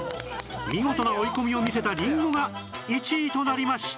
見事な追い込みを見せたりんごが１位となりました